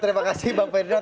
terima kasih bang ferdinand